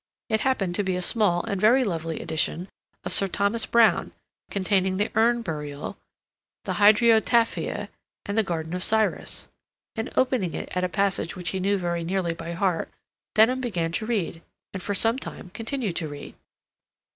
It happened to be a small and very lovely edition of Sir Thomas Browne, containing the "Urn Burial," the "Hydriotaphia," and the "Garden of Cyrus," and, opening it at a passage which he knew very nearly by heart, Denham began to read and, for some time, continued to read.